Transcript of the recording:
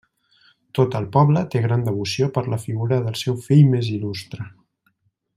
Tot el poble té gran devoció per la figura del seu fill més il·lustre.